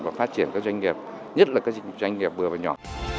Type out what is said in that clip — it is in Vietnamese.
và phát triển các doanh nghiệp nhất là các doanh nghiệp vừa và nhỏ